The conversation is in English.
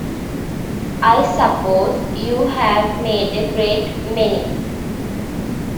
I suppose you have made a great many?